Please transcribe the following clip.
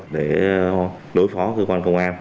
để đối phó cơ quan công an